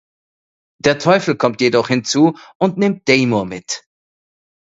Der Teufel kommt jedoch hinzu und nimmt Dejmor mit.